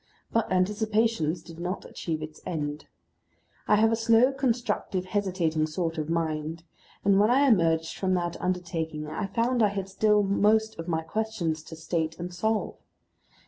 But Anticipations did not achieve its end. I have a slow constructive hesitating sort of mind, and when I emerged from that undertaking I found I had still most of my questions to state and solve.